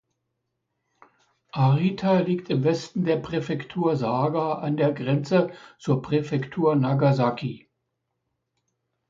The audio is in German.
Arita liegt im Westen der Präfektur Saga an der Grenze zur Präfektur Nagasaki.